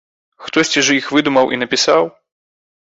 Хтосьці ж іх выдумаў і напісаў!